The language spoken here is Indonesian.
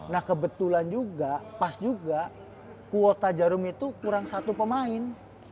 nah kebetulan juga pas juga kuota jarum itu kurang satu pemain